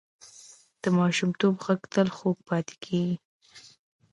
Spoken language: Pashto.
د ماشومتوب غږ تل خوږ پاتې کېږي